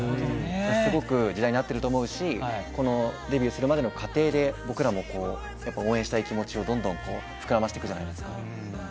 すごく時代に合ってると思うし、デビューするまでの過程で僕らも応援したい気持ち、どんどん膨らましていくじゃないですか。